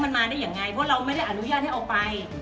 มันมาได้ยังไงเพราะเราไม่ได้อนุญาตให้เอาไป